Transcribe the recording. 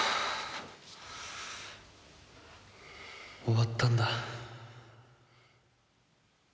終わったんだ